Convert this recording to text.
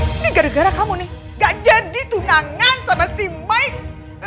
ini gara gara kamu nih gak jadi tunangan sama si mike